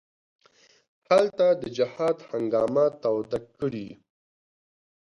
هلته د جهاد هنګامه توده کړي.